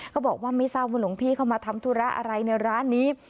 บอกว่าไม่ทราบว่าหลวงพี่เข้ามาทำธุระอะไรในร้านนี้